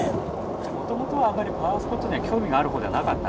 もともとあんまりパワースポットには興味がある方ではなかった？